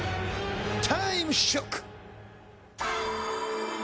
タイムショック！